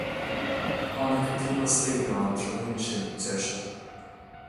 Tháinig an t-uafás daoine ann an tráthnóna sin, a deir sé.